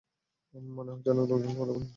মনে হচ্ছে অনেক লোকজন তোমার উপর নির্ভরশীল।